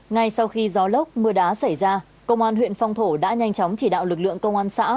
ngay sau khi gió lốc mưa đá xảy ra công an huyện phong thổ đã nhanh chóng chỉ đạo lực lượng công an xã